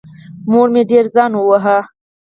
مور یې ډېر ځان وواهه.